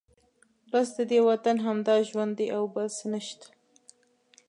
بس ددې وطن همدا ژوند دی او بل څه نشته.